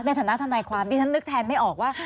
ในฐานะทนายความดิฉันนึกแทนไม่ออกว่า